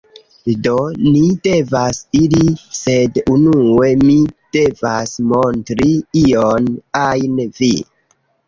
Do, ni devas iri sed unue mi devas montri ion ajn vi